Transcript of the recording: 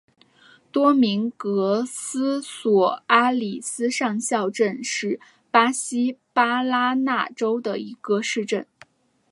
多明戈斯索阿里斯上校镇是巴西巴拉那州的一个市镇。